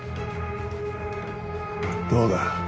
どうだ？